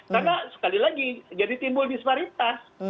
karena sekali lagi jadi timbul disparitas